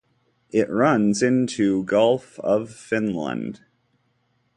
It runs into Gulf of Finland.